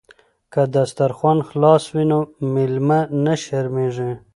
که دسترخوان خلاص وي نو میلمه نه شرمیږي.